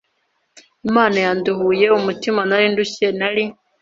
Imana yanduhuye umutima nari ndushye nari